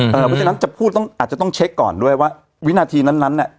ประมาณนั้นอาจจะต้องเช็คก่อนด้วยว่าวินาทีนั้นเนี่ย